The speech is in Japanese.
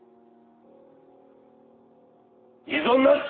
異存なし！